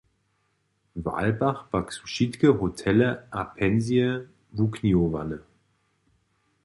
W Alpach pak su wšitke hotele a pensije wuknihowane?